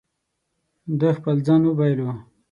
ده خپل ځان وبایلو.